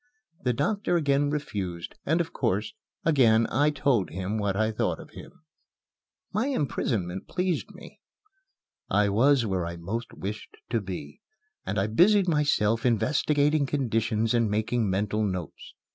The doctor again refused, and, of course, again I told him what I thought of him. My imprisonment pleased me. I was where I most wished to be, and I busied myself investigating conditions and making mental notes.